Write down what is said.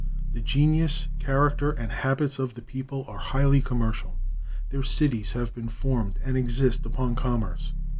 The genius, character, and habits of the people are highly commercial. Their cities have been formed and exist upon commerce.